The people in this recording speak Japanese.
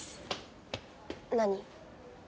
何？